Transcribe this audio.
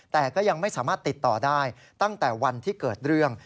แต่ก็ยังไม่สามารถติดต่อได้ตั้งแต่วันที่เกิดเรื่อง